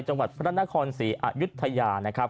จังหวัดพระนครศรีอายุทยานะครับ